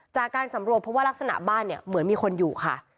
จากการสำรวจเพราะว่ารักษณะบ้านเนี่ยเหมือนมีคนอยู่ค่ะ